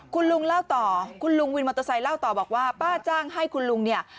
คุณลุงเล่าต่อคุณลุงวินมอเตอร์ไซค์เล่าต่อบอกว่าป้าจ้างให้คุณลุงเนี่ย